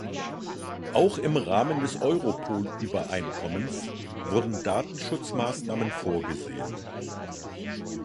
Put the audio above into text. Auch im Rahmen des Europol-Übereinkommens wurden Datenschutzmaßnahmen vorgesehen.